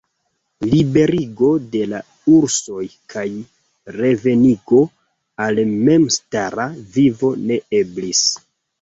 Liberigo de la ursoj kaj revenigo al memstara vivo ne eblis.